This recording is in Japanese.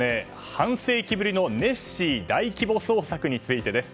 半世紀ぶりのネッシー大規模捜索についてです。